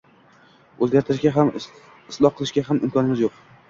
o‘zgartirishga ham isloh qilishga ham imkonimiz yo‘q;